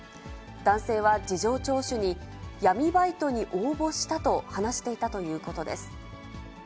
男性は事情聴取に、闇バイトに応募したと話していたということです。